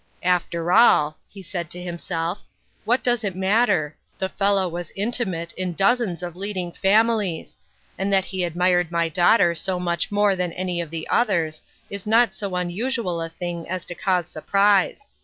" After all," he said to himself, " what does it matter ? The fellow was intimate in dozens of leading families ; and that he admired my daughter so much more than any of the others, is not so unusual a thing as to cause surprise.